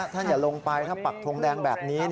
ท่านอย่าลงไปถ้าปักทงแดงแบบนี้